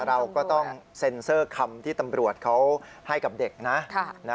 เราก็ต้องเซ็นเซอร์คำที่ตำรวจเขาให้กับเด็กนะ